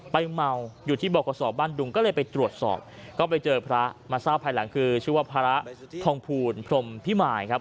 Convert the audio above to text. เมาอยู่ที่บอกกระสอบบ้านดุงก็เลยไปตรวจสอบก็ไปเจอพระมาทราบภายหลังคือชื่อว่าพระทองภูลพรมพิมายครับ